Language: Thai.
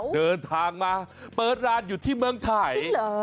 เดินทางมาเปิดร้านอยู่ที่เมืองไทย